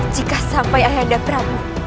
jika sampai ayah dabrabu